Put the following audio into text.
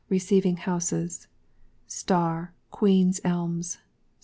RECEIVING HOUSES. * QueenŌĆÖs Elms.